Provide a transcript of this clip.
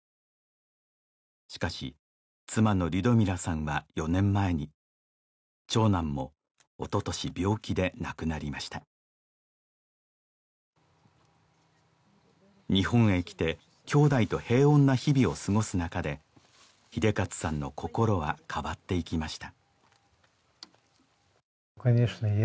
しかし妻のリュドミラさんは４年前に長男もおととし病気で亡くなりました日本へ来てきょうだいと平穏な日々を過ごすなかで英捷さんの心は変わっていきました